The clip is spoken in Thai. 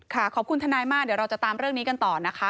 ขอบคุณทนายมากเดี๋ยวเราจะตามเรื่องนี้กันต่อนะคะ